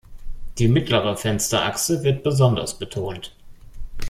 Die mittlere Fensterachse wird besonders betont.